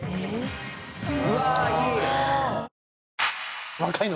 うわいい！